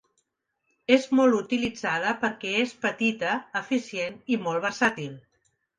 És molt utilitzada perquè és petita, eficient i molt versàtil.